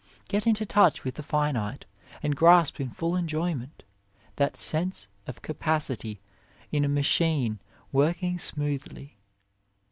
Get into touch with the finite, and grasp in full enjoyment that sense of capacity in a machine working smoothly.